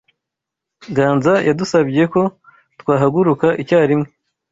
Ganza yadusabye ko twahaguruka icyarimwe.